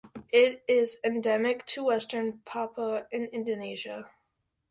It is endemic to Western Papua in Indonesia.